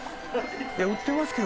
いや売ってますけど。